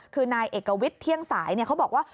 คือนายเอกวิทย์เที่ยงสายเขาบอกว่า